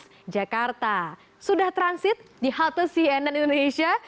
dki jakarta sudah transit di halte cnn indonesia